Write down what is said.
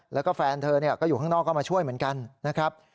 แล้วก็แฟนเธอก็อยู่ข้างนอกก็มาช่วยเหมือนกันนะครับ